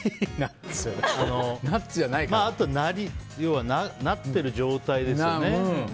あとは、なってる状態ですよね。